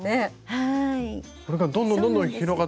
はい。